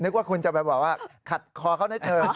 นึกว่าคุณจะแบบว่าว่าขัดคอเข้าหน้าเทิม